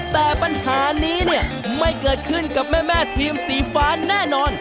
แต่ปัญหานี้เนี่ยไม่เกิดขึ้นกับแม่ทีมสีฟ้าแน่นอน